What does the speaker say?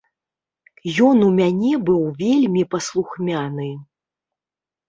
Ён у мяне быў вельмі паслухмяны.